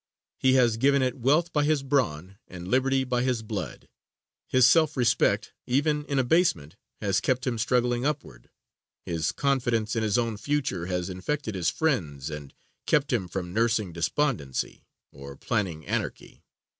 He has given it wealth by his brawn and liberty by his blood. His self respect, even in abasement, has kept him struggling upward; his confidence in his own future has infected his friends and kept him from nursing despondency or planning anarchy.